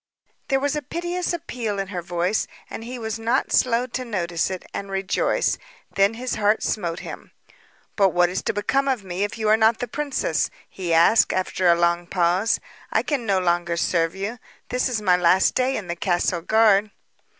There was a piteous appeal in her voice and he was not slow to notice it and rejoice. Then his heart smote him. "But what is to become of me if you are not the princess?" he asked after a long pause. "I can no longer serve you. This is my last day in the castle guard."